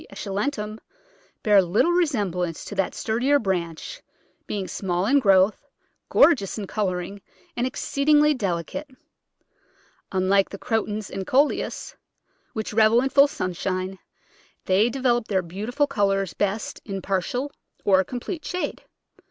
esculentum, bear little resemblance to that sturdier branch, being small in growth, gor geous in colouring, and exceedingly delicate. Unlike the Crotons and Coleus, which revel in full sunshine, they develop their beautiful colours best in partial or complete shade.